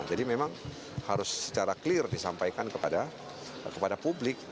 jadi memang harus secara clear disampaikan kepada publik